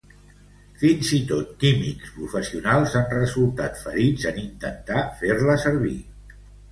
Fins i tot químics professionals han resultat ferits en intentar fer-la servir.